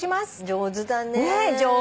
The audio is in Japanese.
上手だね。